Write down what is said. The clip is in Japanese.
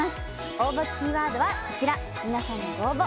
応募キーワードはこちら皆さんのご応募